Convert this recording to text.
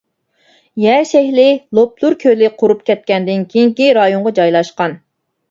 يەر شەكلى لوپنۇر كۆلى قۇرۇپ كەتكەندىن كېيىنكى رايونغا جايلاشقان.